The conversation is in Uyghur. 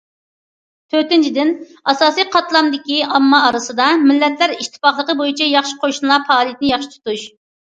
تۆتىنچىدىن، ئاساسىي قاتلامدىكى ئامما ئارىسىدا‹‹ مىللەتلەر ئىتتىپاقلىقى بويىچە ياخشى قوشنىلار›› پائالىيىتىنى ياخشى تۇتۇش.